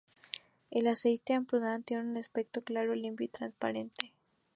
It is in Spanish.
El aceite del Ampurdán tiene un aspecto claro, limpio y transparente.